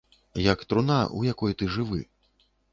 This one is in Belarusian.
Як труна, у якой ты жывы.